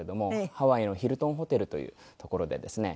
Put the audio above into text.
ハワイのヒルトンホテルという所でですね